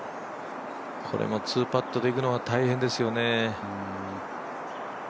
これも２パットでいくのは大変ですね。